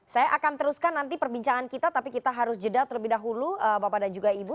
saya akan teruskan nanti perbincangan kita tapi kita harus jeda terlebih dahulu bapak dan juga ibu